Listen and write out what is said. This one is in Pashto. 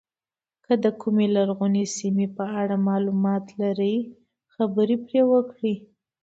که د کومې لرغونې سیمې په اړه معلومات لرئ خبرې پرې وکړئ.